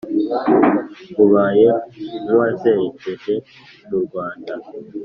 ubaye nk'uwazerekeje mu rwanda.